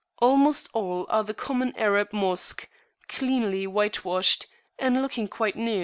Almost all are the common Arab Mosque, cleanly whitewashed, and looking quite new.